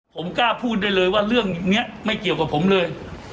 ผมกล้าพูดได้เลยว่าเรื่องนี้ไม่เกี่ยวกับผมเลย